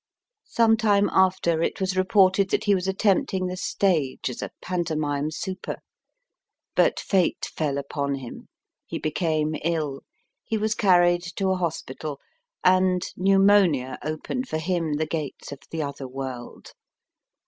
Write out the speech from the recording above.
Some time after it was reported that he was attempting the stage as a pantomime super. But fate fell upon him ; he became ill ; he was carried to a hospital ; and pneumonia opened for him the gates of the other world.